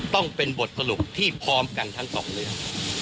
ต้องเป็นบทสรุปที่พร้อมกันทั้งสองเรื่อง